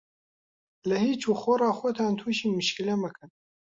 لە هیچ و خۆڕا خۆتان تووشی مشکیلە مەکەن.